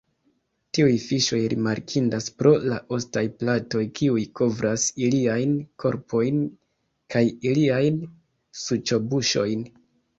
Tiuj fiŝoj rimarkindas pro la ostaj platoj kiuj kovras iliajn korpojn kaj iliajn suĉobuŝojn.